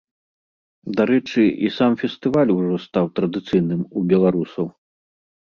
Дарэчы, і сам фестываль ужо стаў традыцыйным у беларусаў.